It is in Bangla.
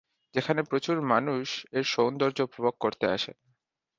যেখানে প্রচুর মানুষ এর সৌন্দর্য্য উপভোগ করতে আসেন।